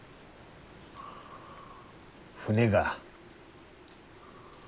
船が。